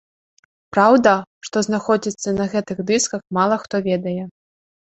Праўда, што знаходзіцца на гэтых дысках мала хто ведае.